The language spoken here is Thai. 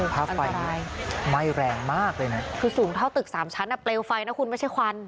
ผ้าไฟไม่แรงมากเลยนะคือสูงเท่าตึก๓ชั้นเปรียวไฟนะคุณไม่ใช่ควัน